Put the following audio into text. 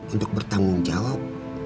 untuk bertanggung jawab